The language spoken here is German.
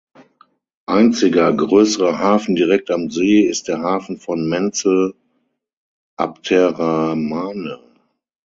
Einziger größerer Hafen direkt am See ist der Hafen von Menzel Abderrahmane.